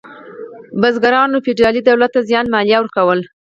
بزګرانو فیوډالي دولت ته زیاته مالیه ورکوله.